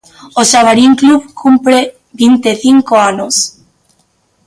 O Xabarín Club cumpre vinte e cinco anos.